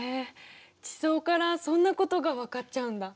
地層からそんなことが分かっちゃうんだ！